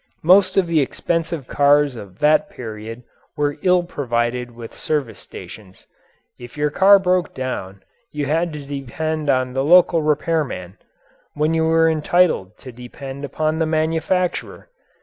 Most of the expensive cars of that period were ill provided with service stations. If your car broke down you had to depend on the local repair man when you were entitled to depend upon the manufacturer.